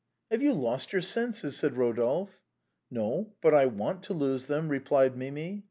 " Have you lost your senses ?" said Rodolphe. " No, but I want to lose them," replied Mimi.